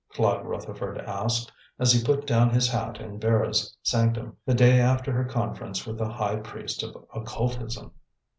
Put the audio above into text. Claude Rutherford asked, as he put down his hat in Vera's sanctum, the day after her conference with the high priest of occultism.